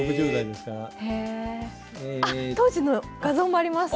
あっ当時の画像もあります！